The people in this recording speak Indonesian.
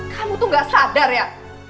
kamu tuh gak sadar ya